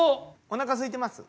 おなかすいてます？